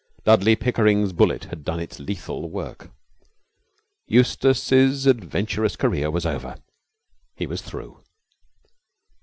Dudley Pickering's bullet had done its lethal work. Eustace's adventurous career was over. He was through.